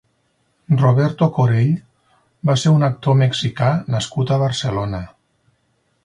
Roberto Corell va ser un actor mexicà nascut a Barcelona.